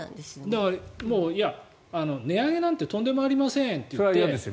値上げなんてとんでもありませんと言って。